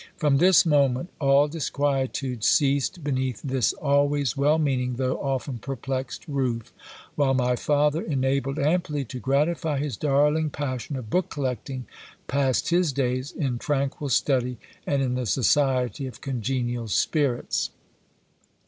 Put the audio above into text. From this moment all disquietude ceased beneath this always well meaning, though often perplexed, roof, while my father, enabled amply to gratify his darling passion of book collecting, passed his days in tranquil study, and in the society of congenial spirits.